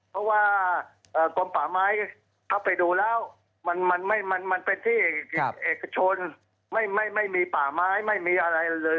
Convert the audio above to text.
เพราะว่ากลมป่าไม้ถ้าไปดูแล้วมันเป็นที่เอกชนไม่มีป่าไม้ไม่มีอะไรเลย